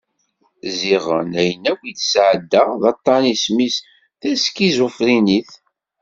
Ziɣen ayen akk i d-sɛeddaɣ d aṭan isem-is taskiẓufrinit.